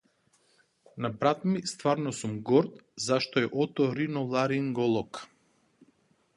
На брат ми стварно сум горд зашто е оториноларинголог.